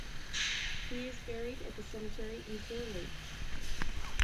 He is buried at the cemetery in Clear Lake.